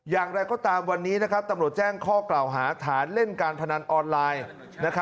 อย่างไรก็ตามวันนี้ตำรวจแจ้งข้อกล่าวหาฐานเล่นการพนันออนไลน์